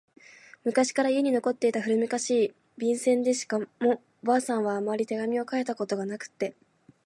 昔から家に残っていた古めかしい、便箋でしかも婆さんはあまり手紙を書いたことがなくって……